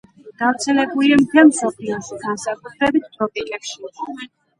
გავრცელებულია მთელ მსოფლიოში, განსაკუთრებით ტროპიკებში.